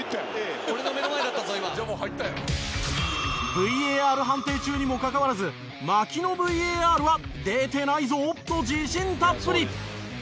ＶＡＲ判定中にもかかわらず槙野ＶＡＲは「出てないぞ！」と自信たっぷり。